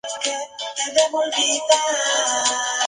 En su año junior, el tercero en college, mostró grandes progresos.